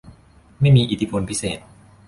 ไม่มีอิทธิพลพิเศษ